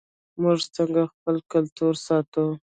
موږ څنګه خپل کلتور ساتو؟